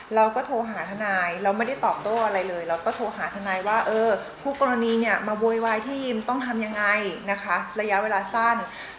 เราก็โทรหาทนายเราไม่ได้ตอบโต้อะไรเลยเราก็โทรหาทนายว่าเออคู่กรณีเนี่ยมาโวยวายที่ยิมต้องทำยังไงนะคะระยะเวลาสั้น